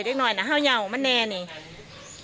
ได้ได้หน่อยหน่อยโรงนี้เว้ย